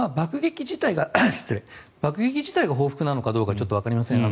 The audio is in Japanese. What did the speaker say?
爆撃自体が報復なのかどうかちょっとわかりません。